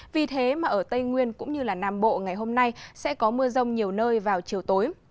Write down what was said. vì thế mà ở tây nguyên cũng như nam bộ ngày hôm nay sẽ có mưa rông nhiều nơi vào chiều tối